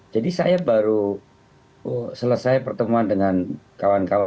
jadi saya baru selesai pertemuan dengan kawan kawan